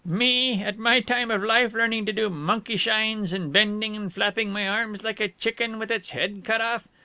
"Me at my time of life learning to do monkey shines and bending and flapping my arms like a chicken with its head cut off."